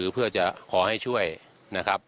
เพื่อจะขอให้ช่วยนะครับ